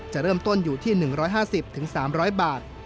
จะเริ่มต้นอยู่ที่๑๕๐๓๐๐บาท